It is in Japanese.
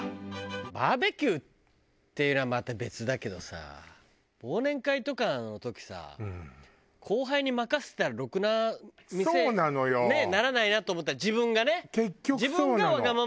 バーベキューっていうのはまた別だけどさ忘年会とかの時さ後輩に任せたらろくな店にならないなと思ったら自分がね。